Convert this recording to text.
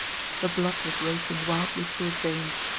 The blood was racing wildly through his veins.